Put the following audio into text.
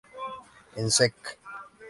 En secc.